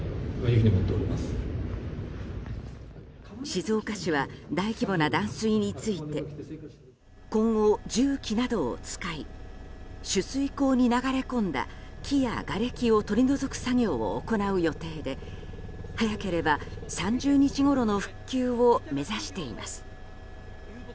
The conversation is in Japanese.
静岡市は大規模な断水について今後、重機などを使い取水口に流れ込んだ木やがれきを取り除く作業を行う予定で早ければ３０日ごろの復旧を目指しています。